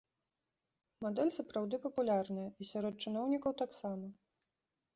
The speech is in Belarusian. Мадэль сапраўды папулярная, і сярод чыноўнікаў таксама.